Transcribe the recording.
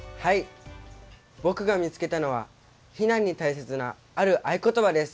僕が見つけたのは避難に大切なある合言葉です。